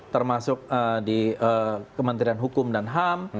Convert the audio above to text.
termasuk di kementerian hukum dan ham